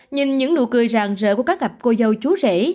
nhìn những nụ cười ràng rỡ của các gặp cô dâu chú rể